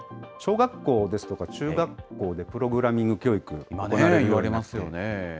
小学校ですとか、中学校でプログラミング教育、いわれますよね。